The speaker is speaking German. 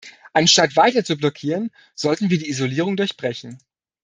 Anstatt weiter zu blockieren, sollten wir die Isolierung durchbrechen.